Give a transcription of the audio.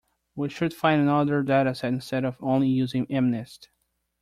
We should find another dataset instead of only using mnist.